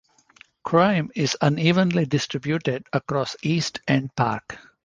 Crime is unevenly distributed across East End Park.